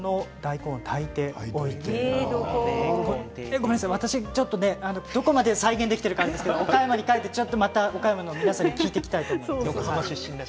ごめんなさい私、どこまで再現できているのか岡山に帰って岡山の皆さんに聞いてきたいです。